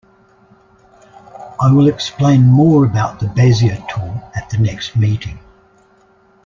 I will explain more about the Bezier tool at the next meeting.